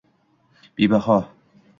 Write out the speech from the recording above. Bebaho —